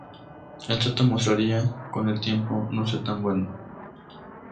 El trato mostraría con el tiempo no ser tan bueno.